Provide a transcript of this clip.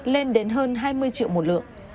lên đến hơn hai mươi triệu một lượng